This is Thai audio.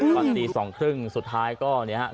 ตอนตีสองครึ่งสุดท้ายก็เนี้ยครับ